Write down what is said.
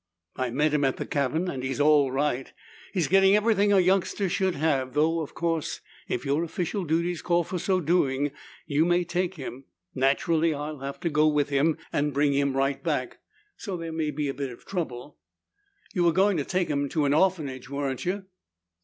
"I met him at the cabin and he's all right. He's getting everything a youngster should have, though of course if your official duties call for so doing, you may take him. Naturally, I'll have to go with him and bring him right back, so there may be a bit of trouble. You were going to take him to an orphanage, weren't you?"